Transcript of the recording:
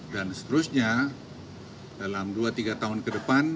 dan seterusnya dalam dua tiga tahun ke depan